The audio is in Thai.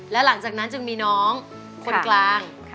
และหลังจากนั้นจึงมีน้องคนกลาง